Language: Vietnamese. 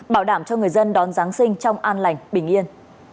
bảo đảm cho người dân đón giáng sinh trong an lành bình yên